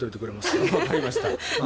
わかりました。